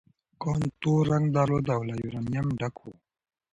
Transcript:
کان تور رنګ درلود او له یورانیم ډک و.